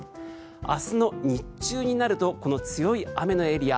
明日の日中になるとこの強い雨のエリア